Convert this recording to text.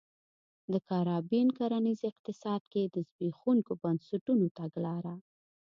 د کارابین کرنیز اقتصاد کې د زبېښونکو بنسټونو تګلاره